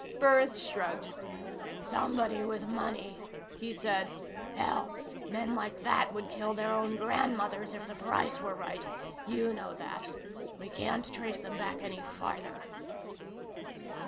Burris shrugged. "Somebody with money," he said. "Hell, men like that would kill their own grandmothers if the price were right you know that. We can't trace them back any farther."